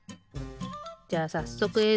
じゃあさっそくえい